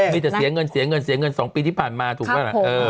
มีแต่เสียเงิน๒ปีที่ผ่านมาถูกกันไหม